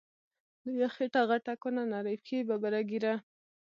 لويه خيټه غټه کونه، نرۍ پښی ببره ږيره